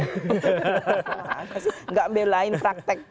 tidak melayani praktek